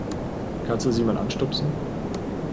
Kannst du sie mal anstupsen?